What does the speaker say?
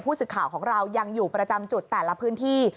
สื่อข่าวของเรายังอยู่ประจำจุดแต่ละพื้นที่